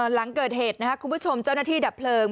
หลังเกิดเหตุนะครับคุณผู้ชมเจ้าหน้าที่ดับเพลิง